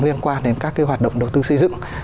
liên quan đến các cái hoạt động đầu tư xây dựng